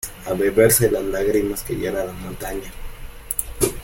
A beberse las lágrimas que llora la montaña.